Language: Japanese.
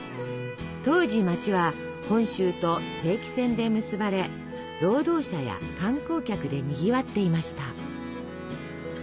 当時街は本州と定期船で結ばれ労働者や観光客でにぎわっていました。